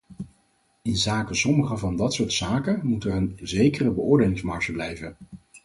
Inzake sommige van dat soort zaken moet er een zekere beoordelingsmarge blijven.